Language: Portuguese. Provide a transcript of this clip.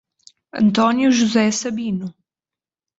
Antônio José Sabino